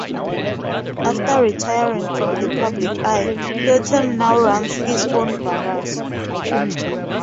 After retiring from the public eye, Hutton now runs his own barbers.